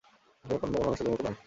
সে কোন অন্য মানুষদের মতো নয়?